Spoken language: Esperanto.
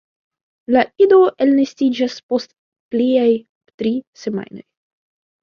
La ido elnestiĝas post pliaj tri semajnoj.